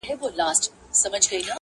ستا د حُسن د الهام جام یې څښلی,